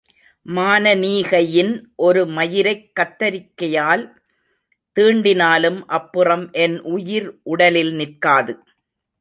மானனீகையின் ஒரு மயிரைக் கத்தரிகையால் தீண்டினாலும் அப்புறம் என் உயிர் உடலில் நிற்காது!